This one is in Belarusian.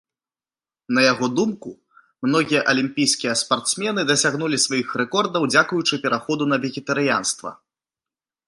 На яго думку, многія алімпійскія спартсмены дасягнулі сваіх рэкордаў дзякуючы пераходу на вегетарыянства.